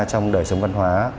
trong đời sống văn hóa